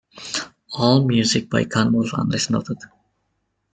All music by Kanwulf unless noted.